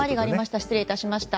失礼いたしました。